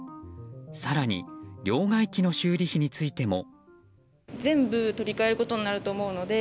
更に両替機の修理費についても。